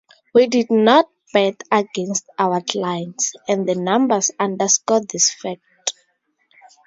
We did not 'bet against our clients,' and the numbers underscore this fact.